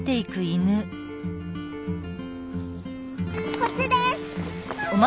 こっちです！